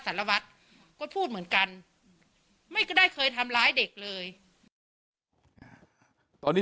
สารวัตรก็พูดเหมือนกันไม่ได้เคยทำร้ายเด็กเลยตอนนี้